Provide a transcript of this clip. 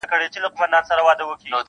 سېمابي سوی له کراره وځم-